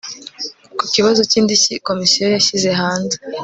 ku kibazo cy indishyi komisiyo yashyize hanze